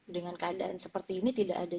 dengan keadaan seperti ini tidak ada